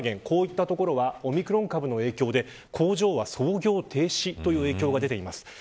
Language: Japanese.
こういったところをオミクロン株の影響で工場は操業停止という影響になっています。